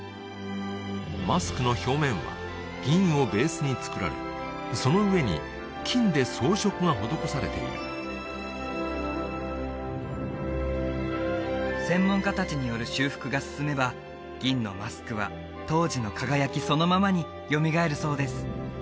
マスクの表面は銀をベースに作られその上に金で装飾が施されている専門家達による修復が進めば銀のマスクは当時の輝きそのままによみがえるそうです